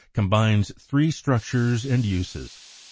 175) combines three structures and uses.